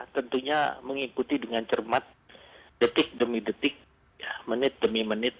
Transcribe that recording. tentunya mengikuti dengan cermat detik demi detik menit demi menit